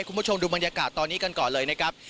คุณผู้ชมดูบรรยากาศตอนนี้กันก่อนเลยนะครับ